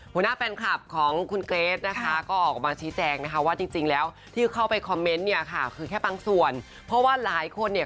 หรือเรื่องของความรักเนี่ย